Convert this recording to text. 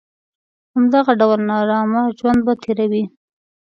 همدغه ډول نارامه ژوند به تېروي.